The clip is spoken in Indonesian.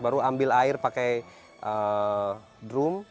baru ambil air pakai drum